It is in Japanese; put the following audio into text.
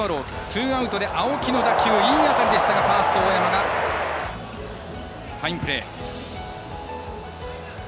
ツーアウトで青木の打球いい当たりでしたがファースト大山がファインプレー。